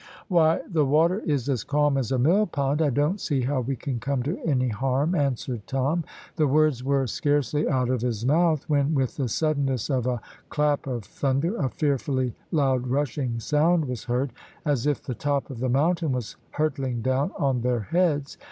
"Why the water is as calm as a millpond. I don't see how we can come to any harm," answered Tom. The words were scarcely out of his mouth, when, with the suddenness of a clap of thunder a fearfully loud rushing sound was heard, as if the top of the mountain was hurtling down on their heads.